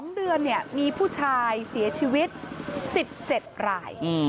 ๒เดือนมีผู้ชายเสียชีวิต๑๗ราย